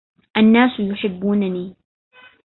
الناس يحبونني.